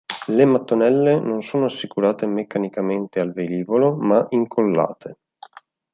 Le mattonelle non sono assicurate meccanicamente al velivolo, ma incollate.